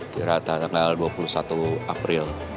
kira tanggal dua puluh satu april